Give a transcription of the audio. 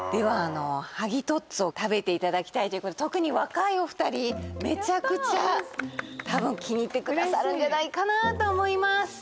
はぎトッツォを食べていただきたいということで特に若いお二人めちゃくちゃ多分気に入ってくださるんじゃないかなと思います